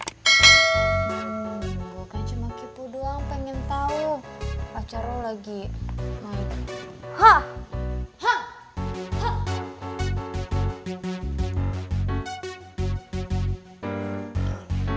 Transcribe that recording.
hmm gue kan cuma kepo doang pengen tau pacarnya lagi ngarep nih